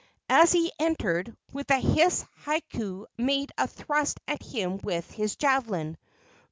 As he entered, with a hiss Hakau made a thrust at him with his javelin.